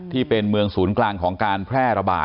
ที่เป็นเมืองศูนย์กลางของการแพร่ระบาด